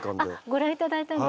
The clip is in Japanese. ご覧いただいたんですね